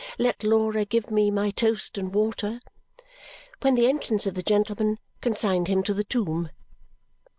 Let Laura give me my toast and water!" when the entrance of the gentlemen consigned him to the tomb.